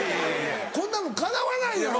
こんなもんかなわないやろ？